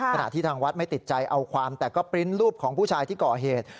ขณะที่ทางวัดไม่ติดใจเอาความแต่ก็ปริ้นต์รูปของผู้ชายที่ก่อเหตุ